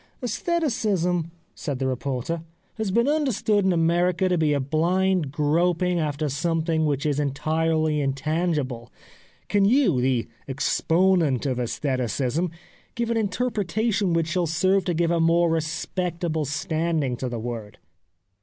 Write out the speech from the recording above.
*'' iEstheticism/ said the reporter, ' has been understood in America to be a bhnd groping after something which is entirely intangible. Can you, the exponent of aestheticism, give an interpretation which shall serve to give a more respectable standing to the word